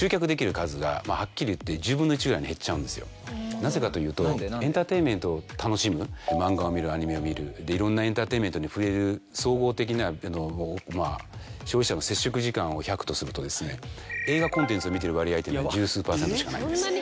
なぜかというとエンターテインメントを楽しむ漫画を見るアニメを見るいろんなエンターテインメントに触れる総合的な消費者の接触時間を１００とすると映画コンテンツを見てる割合って１０数％しかないんです。